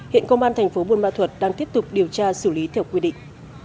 hiện công an thành phố buôn ma thuật đang tiếp tục điều tra xử lý theo quy định